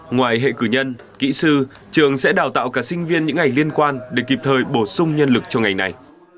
ngoài hệ cử nhân kỹ sư trường sẽ đào tạo cả sinh viên những ngành liên quan để kịp thời bổ sung nhân lực cho ngành này